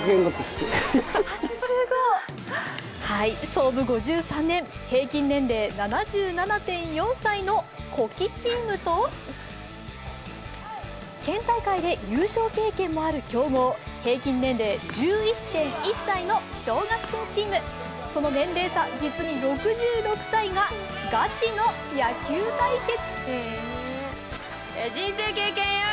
創部５３年、平均年齢７７．４歳の古希チームと県大会で優勝経験もある強豪平均年齢１１．１歳の小学生チーム、その年齢差、実に６６歳がガチの野球対決。